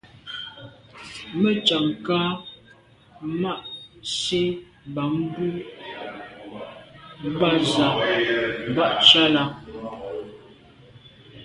Me tshag nka’ ma’ nsi mban kum ba’ z’a ba tsha là.